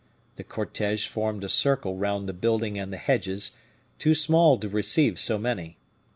The cortege formed a circle round the building and the hedges, too small to receive so many.